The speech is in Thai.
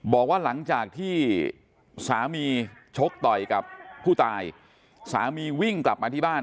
บอกว่าหลังจากที่สามีชกต่อยกับผู้ตายสามีวิ่งกลับมาที่บ้าน